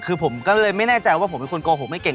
คือผมก็เลยไม่แน่ใจว่าผมเป็นคนโกหกไม่เก่ง